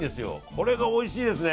これがおいしいですね。